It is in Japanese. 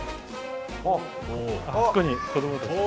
あそこに子供たちが。